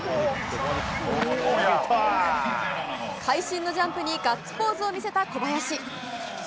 会心のジャンプにガッツポーズを見せた小林。